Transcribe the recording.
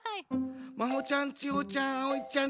まほちゃん・ちほちゃん・あおいちゃん